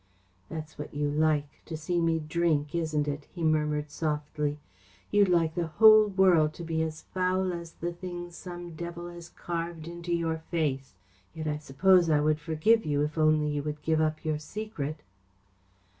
"That's what you like; to see me drink, isn't it?" he murmured softly. "You'd like the whole world to be as foul as the things some devil has carved into your face. Yet I suppose I would forgive you if only you would give up your secret."